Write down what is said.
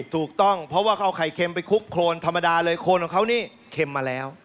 ถูกต้องเพราะว่าเขาเอาไข่เค็มไปคลุกโครนธรรมดาเลยโครนของเขานี่เค็มมาแล้ว